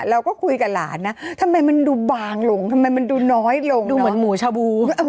เราก็คุยกับหลานนะทำไมมันดูบางลงทำไมมันดูน้อยลงดูเหมือนหมูชาบู